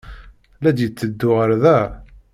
La d-yetteddu ɣer da?